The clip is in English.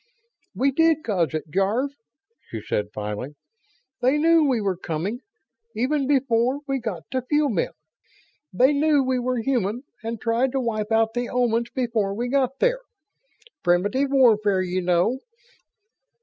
"We did cause it, Jarve," she said, finally. "They knew we were coming, even before we got to Fuel Bin. They knew we were human and tried to wipe out the Omans before we got there. Preventive warfare, you know."